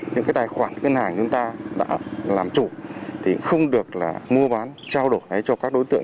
những cái tài khoản ngân hàng chúng ta đã làm chủ thì không được là mua bán trao đổi cho các đối tượng